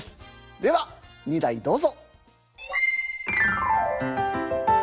では２題どうぞ。